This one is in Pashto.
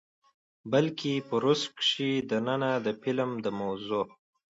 بلکې په روس کښې دننه د فلم د موضوع،